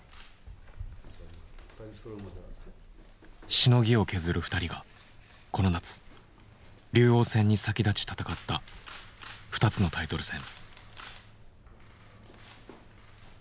しのぎを削る２人がこの夏竜王戦に先立ち戦った２つのタイトル戦。